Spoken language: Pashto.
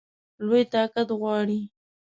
لوی طاقت غواړي.